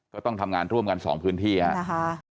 ก็ต้องทำงานร่วมกัน๒พื้นที่ครับนะคะ